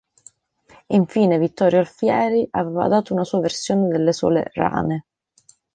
Infine, Vittorio Alfieri aveva dato una sua versione delle sole "Rane".